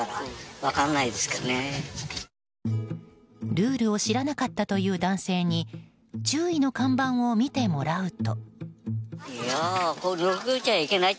ルールを知らなかったという男性に注意の看板を見てもらうと。